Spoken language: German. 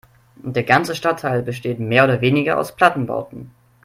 Der ganze Stadtteil besteht mehr oder weniger aus Plattenbauten.